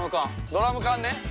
ドラム缶ね。